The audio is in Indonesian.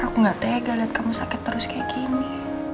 aku gak tega lihat kamu sakit terus kayak gini